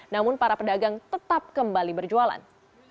namun para pedagang tetap kembali berjualan